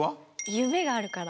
夢があるから！